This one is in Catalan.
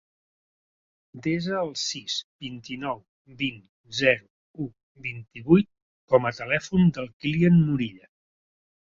Desa el sis, vint-i-nou, vint, zero, u, vint-i-vuit com a telèfon del Kilian Morilla.